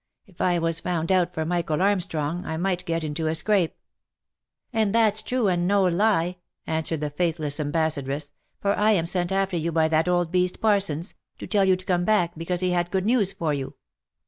If I was found out for Michael Armstrong, I might get into a scrape." " And that's true, and no lie," answered the faithless ambassadress, " for I am sent after you by that old beast Parsons, to tell you to come back, because he had good news for you.